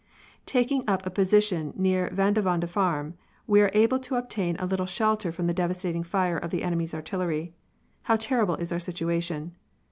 "Taking up a position near Vandewonde farm, we are able to obtain a little shelter from the devastating fire of the enemy's artillery. How terrible is our situation!